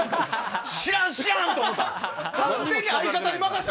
知らん、知らんと思って。